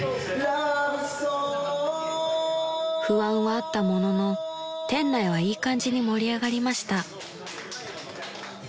［不安はあったものの店内はいい感じに盛り上がりました］